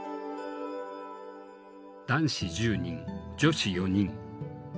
男子１０人女子４人。